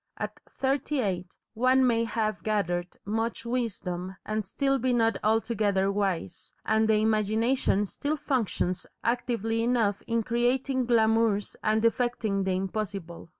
At thirty eight one may have gathered much wisdom and still be not altogether wise, and the imagination still functions actively enough in creating glamours and effecting the impossible.